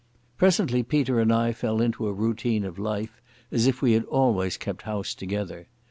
Presently Peter and I fell into a routine of life, as if we had always kept house together.